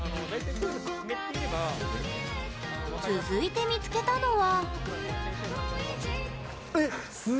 続いて見つけたのは。